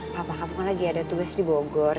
papa kamu lagi ada tugas di bogor